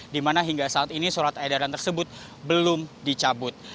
di mana hingga saat ini surat edaran tersebut belum dicabut